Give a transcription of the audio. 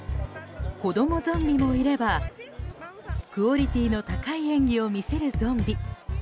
子供ゾンビもいればクオリティーの高い演技を見せるゾンビ。